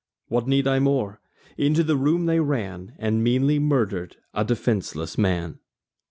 What need I more? Into the room they ran, And meanly murder'd a defenceless man.